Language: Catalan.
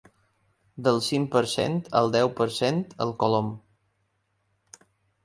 Del cinc per cent al deu per cent, el colom.